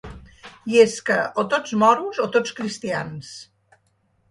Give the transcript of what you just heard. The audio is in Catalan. I és que o tots moros o tots cristians.